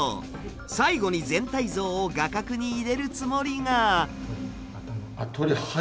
最後に全体像を画角に入れるつもりが。